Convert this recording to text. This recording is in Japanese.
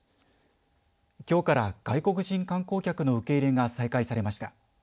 きょうから外国人観光客の受け入れが再開されました。